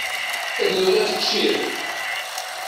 Ad nurar ččir.